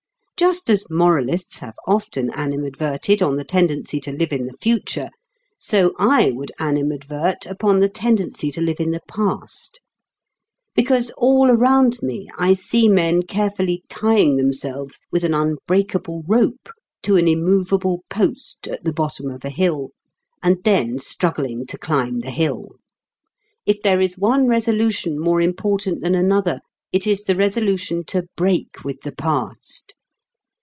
Just as moralists have often animadverted upon the tendency to live in the future, so I would animadvert upon the tendency to live in the past. Because all around me I see men carefully tying themselves with an unbreakable rope to an immovable post at the bottom of a hill and then struggling to climb the hill. If there is one Resolution more important than another it is the Resolution to break with the past.